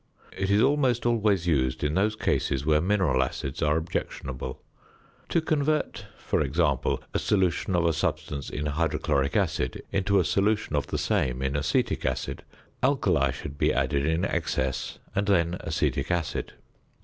It is almost always used in those cases where mineral acids are objectionable. To convert, for example, a solution of a substance in hydrochloric acid into a solution of the same in acetic acid, alkali should be added in excess and then acetic acid.